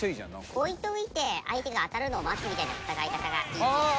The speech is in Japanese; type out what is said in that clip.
置いておいて相手が当たるのを待つみたいな戦い方がいいッチ。